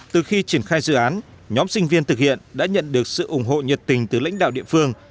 từ khi triển khai dự án nhóm sinh viên thực hiện đã nhận được sự ủng hộ nhiệt tình từ lãnh đạo địa phương